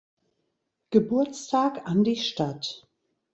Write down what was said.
Geburtstag an die Stadt.